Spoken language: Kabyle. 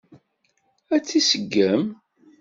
Ad t-iseggem?